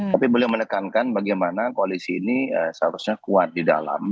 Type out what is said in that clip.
tapi beliau menekankan bagaimana koalisi ini seharusnya kuat di dalam